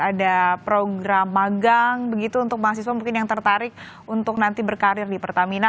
ada program magang begitu untuk mahasiswa mungkin yang tertarik untuk nanti berkarir di pertamina